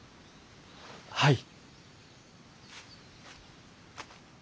はい。